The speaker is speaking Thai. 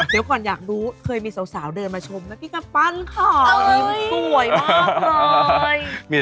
เดี๋ยวก่อนอยากรู้เคยมีสาวเดินมาชมแล้วพี่ก็ปั้นของยิ้มสวยมากเลย